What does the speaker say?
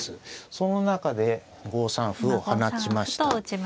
その中で５三歩を放ちました。